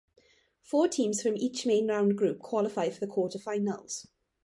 Four teams from each main round group qualify for the quarter-finals.